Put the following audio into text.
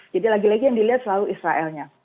lagi lagi yang dilihat selalu israelnya